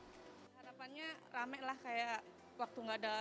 harapannya rame lah kayak waktu nggak ada